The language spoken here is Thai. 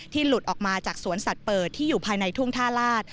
หลุดออกมาจากสวนสัตว์เปิดที่อยู่ภายในทุ่งท่าลาศ